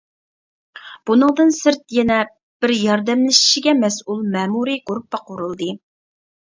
بۇنىڭدىن سىرت يەنە بىر ياردەملىشىشىگە مەسئۇل مەمۇرىي گۇرۇپپا قۇرۇلدى.